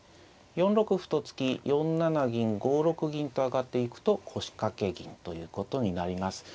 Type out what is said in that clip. ４六歩と突き４七銀５六銀と上がっていくと腰掛け銀ということになります。